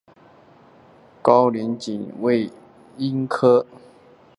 高茎紫堇为罂粟科紫堇属下的一个亚种。